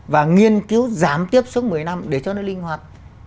và nghiên cứu giám tiếp xuống một mươi năm để cho nó linh hoạt